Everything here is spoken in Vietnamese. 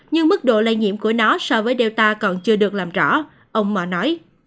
nhưng mức độ lây nhiễm của nó so với delta còn chưa được làm rõ ông mò nói